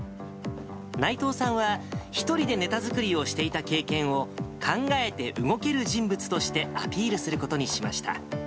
内藤さんは１人でネタ作りをしていた経験を、考えて動ける人物としてアピールすることにしました。